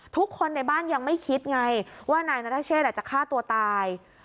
ทุกคนในบ้านยังไม่คิดไงว่านายนัทเชษจะฆ่าตัวตาย